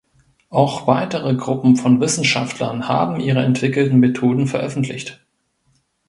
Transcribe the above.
Auch weitere Gruppen von Wissenschaftlern haben ihre entwickelten Methoden veröffentlicht.